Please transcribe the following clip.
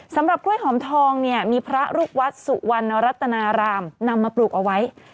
สำหรับกล้วยหอมทองเนี่ยมีพระลูกวัดสุวรรณรัตนารามนำมาปลูกเอาไว้